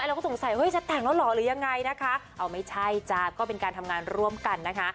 เราก็สงสัยเฮ้ยจะแต่งแล้วเหรอหรือยังไงนะคะเอาไม่ใช่จ๊ะก็เป็นการทำงานร่วมกันนะคะ